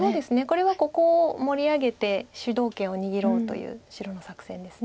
これはここを盛り上げて主導権を握ろうという白の作戦です。